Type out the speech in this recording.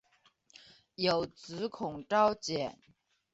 有子孔昭俭。